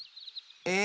え？